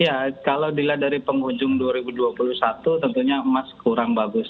iya kalau dilihat dari penghujung dua ribu dua puluh satu tentunya emas kurang bagus